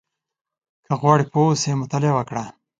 • که غواړې پوه اوسې، مطالعه وکړه.